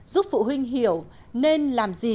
giúp phụ huynh hiểu nên làm gì